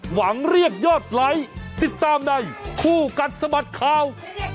หวังเรียกยอดไลค์ติดตามในคู่กัดสะบัดข่าว